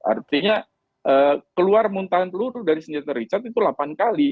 artinya keluar muntahan peluru dari senjata richard itu delapan kali